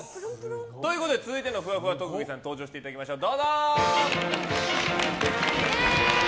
続いてのふわふわ特技さん登場していただきましょう。